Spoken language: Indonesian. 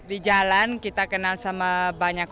di jalan kita kenal sama banyak